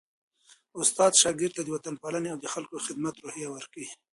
استاد شاګرد ته د وطنپالني او د خلکو د خدمت روحیه ورکوي.